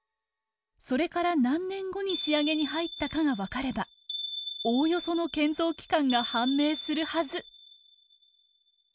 それから何年後に仕上げに入ったかが分かればおおよその建造期間が判明するはず。